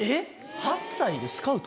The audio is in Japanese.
８歳でスカウト？